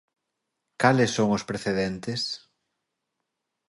Cales son os precedentes?